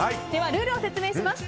ルールを説明します。